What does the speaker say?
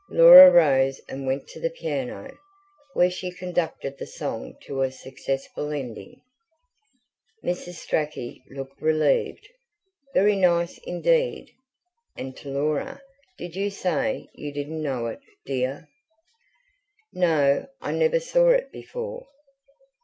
Laura rose and went to the piano, where she conducted the song to a successful ending. Mrs. Strachey looked relieved. "Very nice indeed." And to Laura: "Did you say you didn't know it, dear?" "No, I never saw it before."